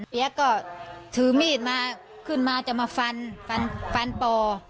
เปี๊ยกก็ถือมีดมาขึ้นมาจะมาฟันฟันฟันปอ